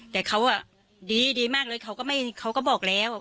แต่เขาดีดีมากเลยเขาก็บอกแล้ว